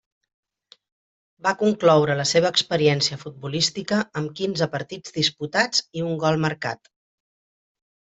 Va concloure la seva experiència futbolística amb quinze partits disputats i un gol marcat.